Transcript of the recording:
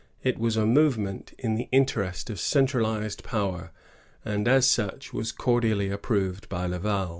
It was a movement in the interest of centralized power, and as such was cordially approved by Laval.